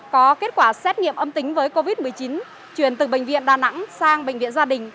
có kết quả xét nghiệm âm tính với covid một mươi chín chuyển từ bệnh viện đà nẵng sang bệnh viện gia đình